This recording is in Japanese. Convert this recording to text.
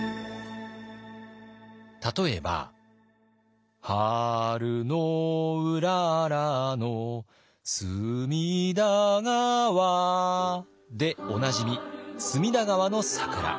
例えば「春のうららの隅田川」でおなじみ隅田川の桜。